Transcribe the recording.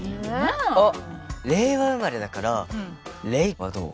あっ令和生まれだから令はどう？